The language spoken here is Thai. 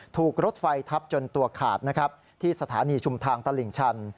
ถูกรถไฟทับจนตัวขาดที่สราริชุมทางตลิ่งชัน